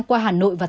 qua hà nội và tp hcm